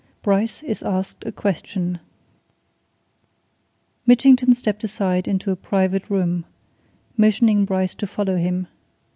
BRYCE IS ASKED A QUESTION Mitchington stepped aside into a private room, motioning Bryce to follow him.